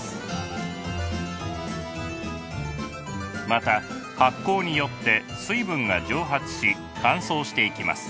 また発酵によって水分が蒸発し乾燥していきます。